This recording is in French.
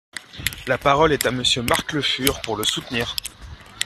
La parole est à Monsieur Marc Le Fur, pour le soutenir.